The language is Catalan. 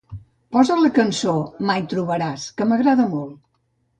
Posa la cançó "Mai trobaràs", que m'agrada molt